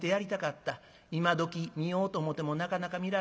今どき見ようと思ってもなかなか見られへん。